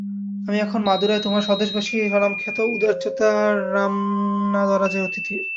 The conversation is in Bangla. আমি এখন মাদুরায় তোমাদের স্বদেশবাসী স্বনামখ্যাত উদারচেতা রামনাদরাজের অতিথি।